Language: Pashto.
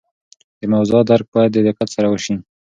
د موضوعات درک باید د دقت سره وسي.